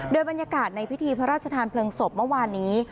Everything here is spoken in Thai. โดยบรรยากาศในพิธีพระราชทานเพลิงศพเมื่อวานนี้